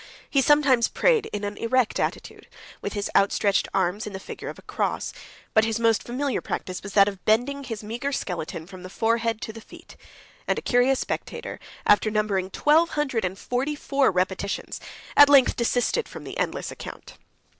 He sometimes prayed in an erect attitude, with his outstretched arms in the figure of a cross, but his most familiar practice was that of bending his meagre skeleton from the forehead to the feet; and a curious spectator, after numbering twelve hundred and forty four repetitions, at length desisted from the endless account.